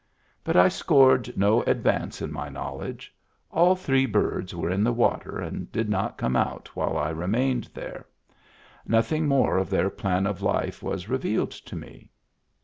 But I scored no ad vance in my knowledge. All three birds were in the water and did not come out while I remained there; nothing more of their plan of life was revealed to me.